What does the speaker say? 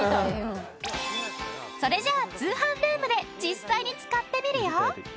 それじゃあ通販ルームで実際に使ってみるよ。